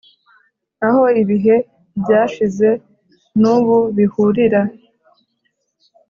aho ibihe byashize nubu bihurira,